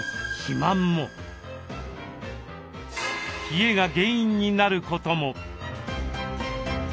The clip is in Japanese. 冷えが原因になることも。